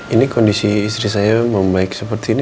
ini kondisi istri saya membaik seperti ini